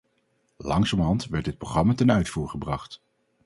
Langzamerhand werd dit programma ten uitvoer gebracht.